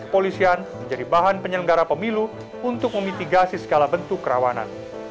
polisian menjadi bahan penyelenggara pemilu untuk memitigasi segala bentuk kerawanan